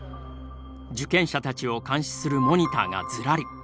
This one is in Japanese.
受験者たちを監視するモニターがずらり。